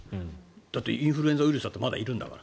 だってインフルエンザウイルスだってまだいるんだから。